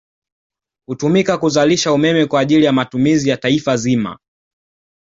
Hutumika kuzalisha umeme kwa ajili ya matumizi ya Taifa zima